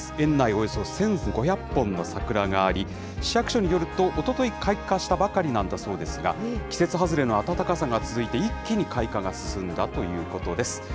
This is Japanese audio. およそ１５００本の桜があり、市役所によると、おととい開花したばかりなんだそうですが、季節外れの暖かさが続いて、一気に開花が進んだということです。